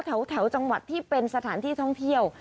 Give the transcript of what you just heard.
แถวจังหวัดที่เป็นสถานที่ท่องเที่ยว